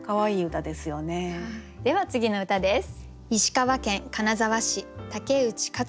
では次の歌です。